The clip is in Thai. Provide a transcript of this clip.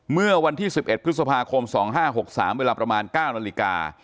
เมื่อวันที่๑๑พฤษภาคม๒๕๖๓เวลาประมาณ๙นาฬิกา